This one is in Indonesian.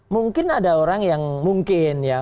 mungkin ada orang yang mungkin ya